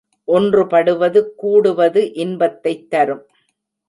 ஒன்றுபடுவது, கூடுவது, இன்பத்தைத் தரும்.